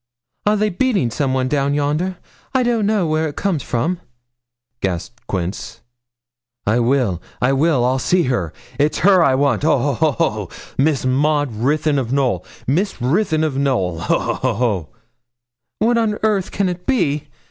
'Are they beating some one down yonder? I don't know where it comes from,' gasped Quince. 'I will I will I'll see her. It's her I want. Oo hoo hoo hoo oo o Miss Maud Ruthyn of Knowl. Miss Ruthyn of Knowl. Hoo hoo hoo hoo oo!' 'What on earth can it be?'